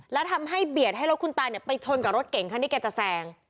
แล้วทำให้เบียดให้รถคุณตาไปชนกับรถเก่งคันที่แกจะแซง